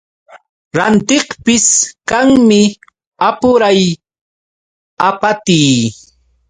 Rantiqpis kanmi apuray apatii.